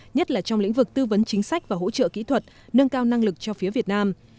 nhất là trong lĩnh vực tư vấn chính sách và hỗ trợ kỹ thuật nâng cao năng lực cho phía việt nam